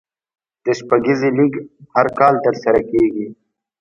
د شپږیزې لیګ هر کال ترسره کیږي.